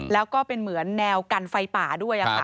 แล้วก็เป็นเหมือนแนวกันไฟป่าด้วย